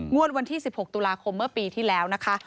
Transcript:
วันที่๑๖ตุลาคมเมื่อปีที่แล้วนะคะ